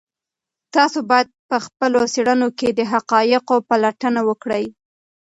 تاسو باید په خپلو څېړنو کې د حقایقو پلټنه وکړئ.